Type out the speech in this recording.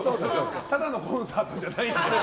ただのコンサートじゃないんで。